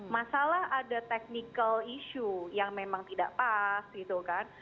masalah ada technical issue yang memang tidak pas gitu kan